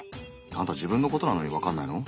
アンタ自分のことなのにわかんないの？